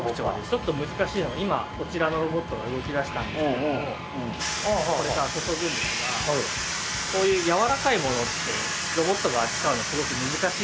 ちょっと難しいのが今こちらのロボットが動きだしたんですけどもこれから運ぶんですがこういうやわらかい物ってロボットが扱うのすごく難しい。